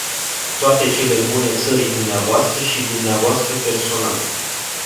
Toate cele bune țării dvs. și dvs. personal.